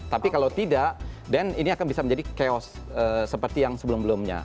tapi kalau tidak dan ini akan bisa menjadi chaos seperti yang sebelum sebelumnya